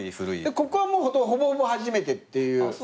ここはほぼほぼ初めてっていう。